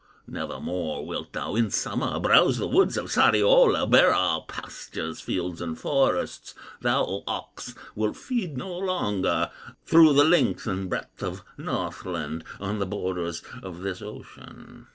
Nevermore wilt thou in summer Browse the woods of Sariola, Bare our pastures, fields, and forests; Thou, O ox, wilt feed no longer Through the length and breadth of Northland, On the borders of this ocean!"